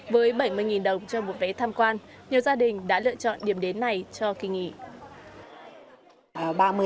với bảy mươi đồng cho một vé tham quan nhiều gia đình đã lựa chọn điểm đến này cho kỳ nghỉ